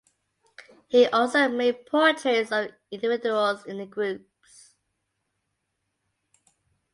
He also made portraits of individuals in the groups.